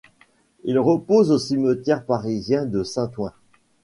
Il repose au cimetière parisien de Saint-Ouen.